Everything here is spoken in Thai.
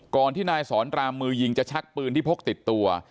ที่นายสอนรามมือยิงจะชักปืนที่พกติดตัว